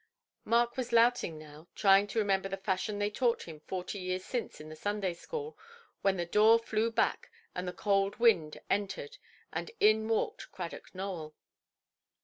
Mark was louting low, trying to remember the fashion they taught him forty years since in the Sunday–school, when the door flew back, and the cold wind entered, and in walked Cradock Nowell.